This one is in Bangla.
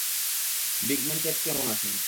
বিগ ম্যান টেট কেমন আছে?